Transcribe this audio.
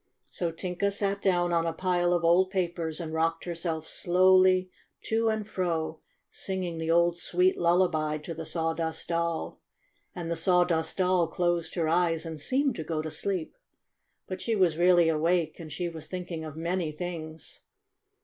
So Tinka sat down on a pile of old papers and rocked herself slowly to and fro, singing the old sweet lullaby to the Sawdust Doll. And the Sawdust Doll closed her eyes and seemed to go to sleep. But she was really awake, and she was thinking of many things.